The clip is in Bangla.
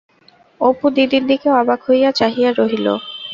অপু দিদির দিকে অবাক হইয়া চাহিয়া রহিল।